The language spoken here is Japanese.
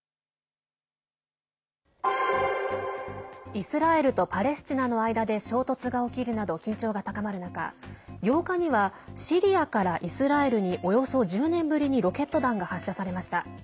イスラエルとパレスチナの間で衝突が起きるなど緊張が高まる中８日にはシリアからイスラエルにおよそ１０年ぶりにロケット弾が発射されました。